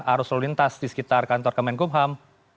arus lalu lintas di sekitar kantor kementerian hukum ham